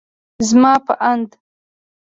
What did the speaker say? زما په اند